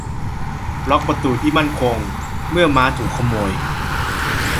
ล็อคประตูที่มั่นคงเมื่อม้าถูกขโมย